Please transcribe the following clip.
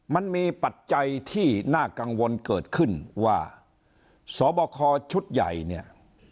ปัจจัยที่น่ากังวลเกิดขึ้นว่าสบคชุดใหญ่เนี่ย